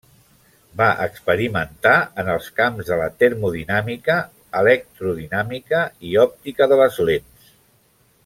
Va experimentar en els camps de la termodinàmica, electrodinàmica i òptica de les lents.